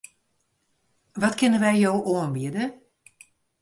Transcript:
Wat kinne wy jo oanbiede?